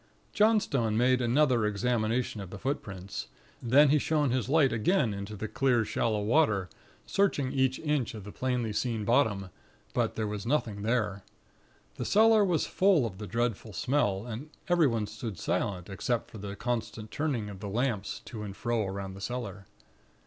"Johnstone made another examination of the footprints; then he shone his light again into the clear shallow water, searching each inch of the plainly seen bottom; but there was nothing there. The cellar was full of the dreadful smell; and everyone stood silent, except for the constant turning of the lamps to and fro around the cellar.